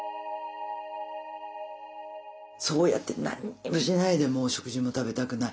そうやって何にもしないでもう食事も食べたくない。